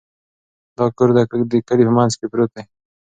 دا کور د کلي په منځ کې پروت دی.